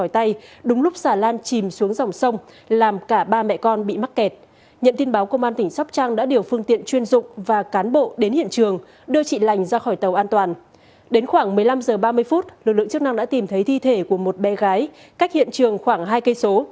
trong một mươi hai phút lực lượng chức năng đã tìm thấy thi thể của một bé gái cách hiện trường khoảng hai km